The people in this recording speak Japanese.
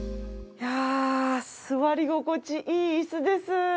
いやあ座り心地いい椅子です。